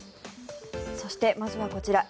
そしてまずはこちら。